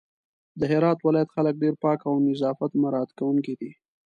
د هرات ولايت خلک ډېر پاک او نظافت مرعت کونکي دي